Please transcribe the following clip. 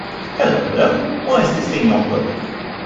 Hello hello. Why is this thing not working?